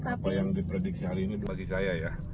apa yang diprediksi hari ini bagi saya ya